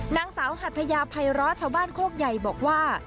นางสาวหัทยาภัยร้อชาวบ้านโคกใหญ่บอกว่า